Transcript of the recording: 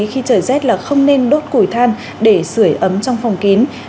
khi trời rét là không nên đốt củi than để sửa ấm trong phòng kín